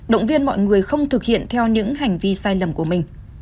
động viên mọi người không thực hiện theo những hành vi sai lầm của mình